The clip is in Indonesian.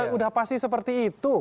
kita udah pasti seperti itu